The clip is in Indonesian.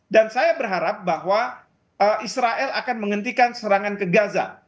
dan saya berharap bahwa israel akan menghentikan serangan ke gaza